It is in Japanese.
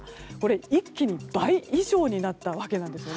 一気に倍以上になったわけなんですよね。